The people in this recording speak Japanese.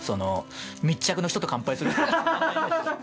密着の人と乾杯するって。